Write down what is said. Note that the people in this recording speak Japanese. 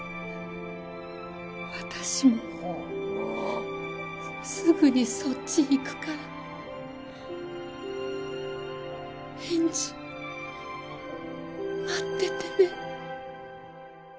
私もすぐにそっち行くから返事待っててね。